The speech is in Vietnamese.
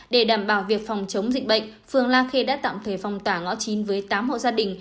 để đảm bảo việc phòng chống dịch bệnh phường la khê đã tạm thời phong tỏa ngõ chín với tám hộ gia đình